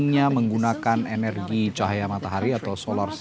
saya menguat wish anda semua dalam penigerian power